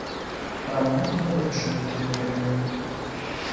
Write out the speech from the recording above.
Рамонт не вырашыў гэтую праблему.